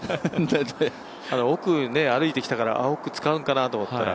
奥歩いてきたから使うかなと思ったけど。